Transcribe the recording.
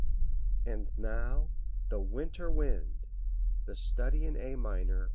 And now the "Winter Wind" the study in A minor, op.